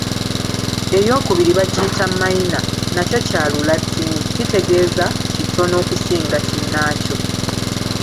Eyookubiri bagiyita `Minor', nakyo kya Lulatini, kitegeeza; kitono okusinga kinnaakyo.